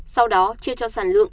sau đó chia cho sản lượng